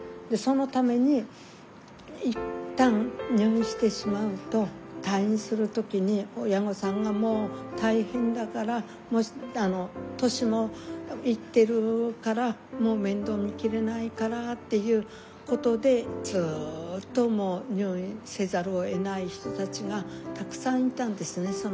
でそのためにいったん入院してしまうと退院する時に親御さんがもう大変だから年もいってるからもう面倒見きれないからっていうことでずっともう入院せざるをえない人たちがたくさんいたんですね